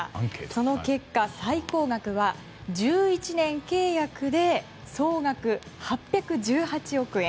その結果、最高額は１１年契約で総額８１８億円。